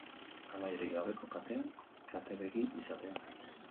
Amaierarik gabeko katean katebegi izatea.